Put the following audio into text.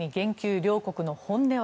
両国の本音は？